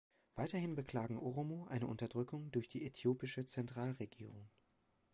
Weiterhin beklagen Oromo eine Unterdrückung durch die äthiopische Zentralregierung.